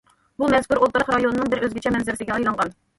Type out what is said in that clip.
بۇ مەزكۇر ئولتۇراق رايوننىڭ بىر ئۆزگىچە مەنزىرىسىگە ئايلانغان.